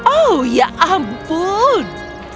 oh ya ampun